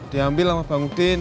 diambil sama bang udin